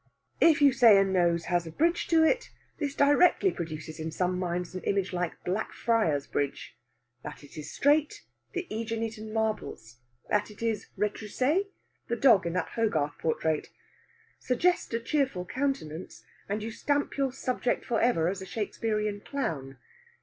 If you say a nose has a bridge to it, this directly produces in some minds an image like Blackfriars Bridge; that it is straight, the Æginetan marbles; that it is retroussé, the dog in that Hogarth portrait. Suggest a cheerful countenance, and you stamp your subject for ever as a Shakespearian clown.